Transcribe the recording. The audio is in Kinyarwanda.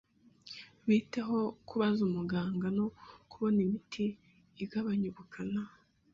Bite ho kubaza umuganga no kubona imiti igabanya ubukana?